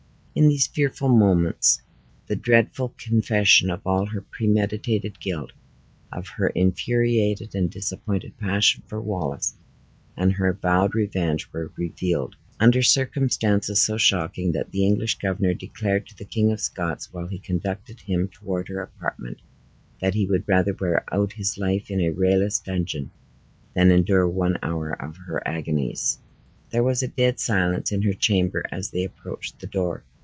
In these fearful moments the dreadful confession of all her premeditated guilt, of her infuriate and disappointed passion for Wallace, and her vowed revenge, were revealed, under circumstances so shocking, that the English governor declared to the King of Scots, while he conducted him toward her apartment, that he would rather wear out his life in a rayless dungeon, then endure one hour of her agonies. There was a dead silence in her chamber as they approached the door.